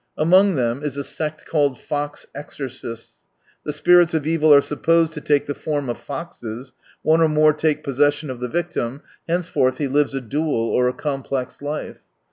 Among them is a sect called " t'ox Exorcists." The spirits of evil are supposed to take the form of foxes, one or more take possession of the victim, henceforth he lives a dual or a complex life.